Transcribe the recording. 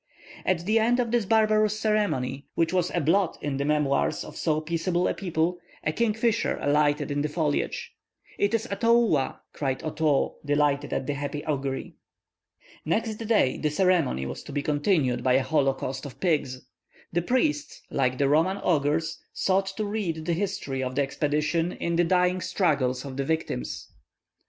At the end of this barbarous ceremony, which was a blot in the memoirs of so peaceable a people, a king fisher alighted in the foliage. "It is Atoua!" cried Otoo, delighted at the happy augury. [Illustration: Human sacrifice at Tahiti. (Fac simile of early engraving.)] Next day the ceremony was to be continued by a holocaust of pigs. The priests, like the Roman augurs, sought to read the history of the expedition in the dying struggles of the victims.